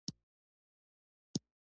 لوگر د افغانستان د ځمکې د جوړښت نښه ده.